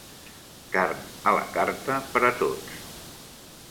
Carn a la carta per a tots